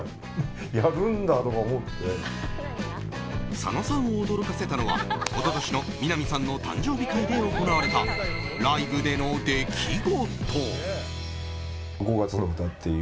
佐野さんを驚かせたのは一昨年の南さんの誕生日会で行われたライブでの出来事。